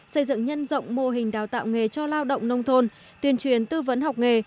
xây dựng nhân rộng mô hình đào tạo nghề cho lao động nông thôn tuyên truyền tư vấn học nghề